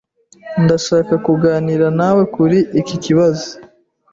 Ndashaka kuganira nawe kuri iki kibazo.